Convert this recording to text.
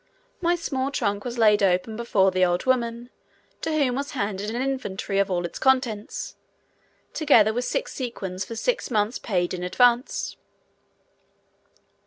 My small trunk was laid open before the old woman, to whom was handed an inventory of all its contents, together with six sequins for six months paid in advance.